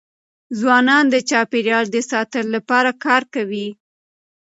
ځوانان د چاپېریال د ساتني لپاره کار کوي.